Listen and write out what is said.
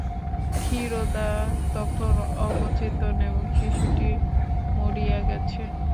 ক্ষীরোদা তখন অবচেতন এবং শিশুটি মরিয়া গেছে।